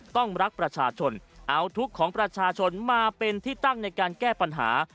รักประชาชนเอาทุกข์ของประชาชนมาเป็นที่ตั้งในการแก้ปัญหา